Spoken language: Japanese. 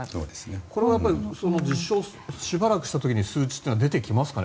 これは、しばらくした時に数字というのは出てきますかね。